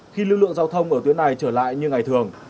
khi lưu lượng giao thông ở tuyến này trở lại như ngày thường